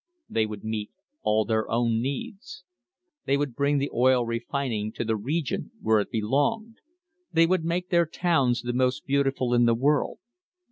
They would meet their own needs. They would bring the oil refin ing to the region where it belonged. They would make their towns the most beautiful in the world.